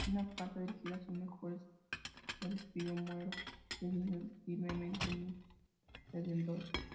En una carta dirigida a su mujer, escribió: "Muero creyendo firmemente en mi Redentor".